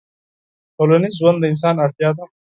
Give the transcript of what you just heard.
ټولنيز ژوند د انسان اړتيا ده